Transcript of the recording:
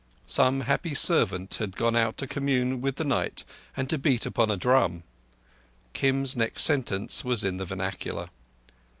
Some happy servant had gone out to commune with the night and to beat upon a drum. Kim's next sentence was in the vernacular.